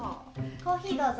コーヒーどうぞ。